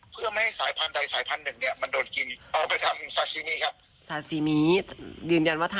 ทุกปลาหลายอย่างนี้ก็มีเสน่ห์ที่แตกหลักกันไปนะครับ